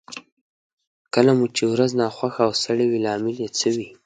کله مو چې ورځ ناخوښه او ستړې وي لامل يې څه وي؟